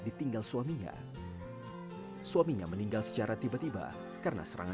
dan memiliki omset ratusan juta rupiah